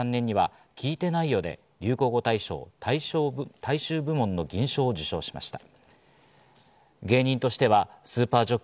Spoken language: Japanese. １９９３年には聞いてないよで流行語大賞の大衆部門の銀賞を受賞されました。